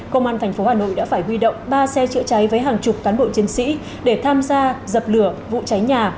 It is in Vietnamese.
công an tp hà nội đã phải huy động ba xe chữa cháy với hàng chục cán bộ chiến sĩ để tham gia dập lửa vụ cháy nhà